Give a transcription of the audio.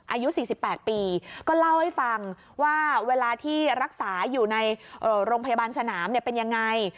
อายุ๔๘ปีก็เล่าให้ฟังว่าเวลาที่รักษาอยู่ในโรงพยาบาลสนามเป็นยังไง